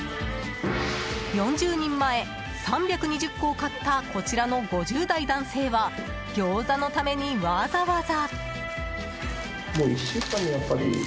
４０人前、３２０個を買ったこちらの５０代男性は餃子のために、わざわざ。